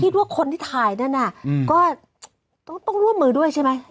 คิดว่าคนที่ถ่ายนั่นน่ะก็ต้องร่วมมือด้วยใช่ไหม